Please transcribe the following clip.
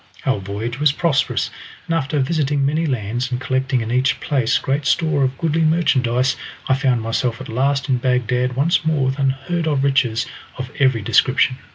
Our voyage was prosperous, and after visiting many lands, and collecting in each place great store of goodly merchandise, I found myself at last in Bagdad once more with unheard of riches of every description.